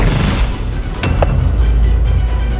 tunggu nanti urick